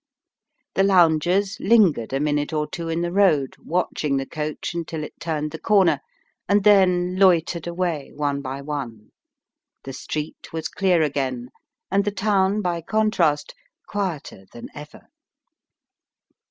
The loungers lingered a minute or two in the road, watching the coach until it turned the corner, and then loitered away one by one. The street was clear again, and the town, by contrast, quieter than ever.